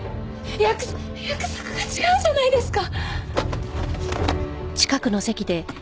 やく約束が違うじゃないですか！